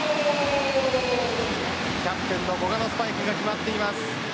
キャプテンの古賀のスパイクが決まっています。